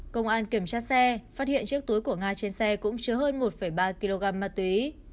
công an kiểm tra xe phát hiện chiếc túi của nga trên xe cũng chứa hơn một ba kg ma túy